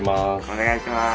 お願いします。